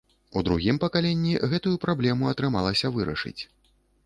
У другім пакаленні гэтую праблему атрымалася вырашыць.